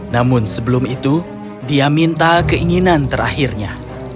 namun sebelum itu dia minta keinginan terakhirnya